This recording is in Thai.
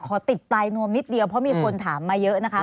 ติดปลายนวมนิดเดียวเพราะมีคนถามมาเยอะนะคะ